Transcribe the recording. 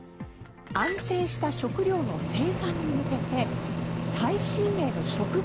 安定した食料の生産に向けて最新鋭の植物